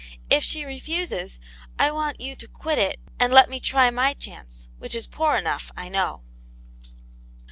If she refuses, I want you to quit it, and let me try my chance, which is poor enough, I know."